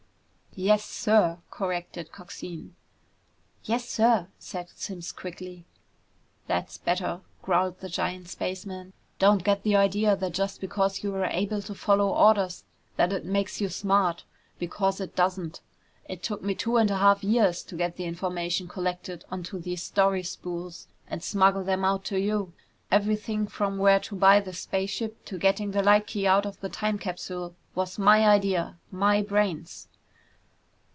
"Yes, sir!" corrected Coxine. "Yes, sir," said Simms quickly. "That's better," growled the giant spaceman. "Don't get the idea that just because you were able to follow orders that it makes you smart. Because it doesn't! It took me two and a half years to get the information collected onto these story spools and smuggle them out to you. Everything, from where to buy this spaceship to getting the light key out of the time capsule, was my idea! My brains!"